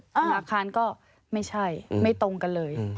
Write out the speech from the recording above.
ธนาคารก็ไม่ใช่ไม่ตรงกันเลย